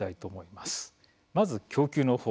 まず、供給の方。